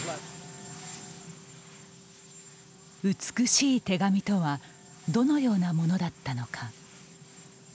美しい手紙とはどのようなものだったのか。